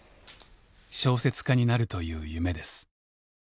小説家になるという夢です。